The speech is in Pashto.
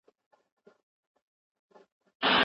وار د پښتنو دی د زمرو په څېر غوریږي